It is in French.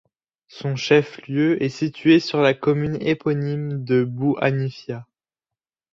Son chef-lieu est situé sur la commune éponyme de Bou Hanifia.